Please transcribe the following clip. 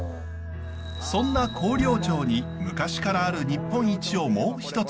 そんな広陵町に昔からある日本一をもう一つ。